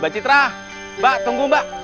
mbak citra mbak tunggu mbak